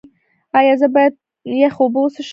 ایا زه باید یخې اوبه وڅښم؟